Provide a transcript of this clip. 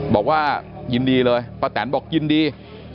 บอกว่ายินดีเลยป้าแตนบอกยินดี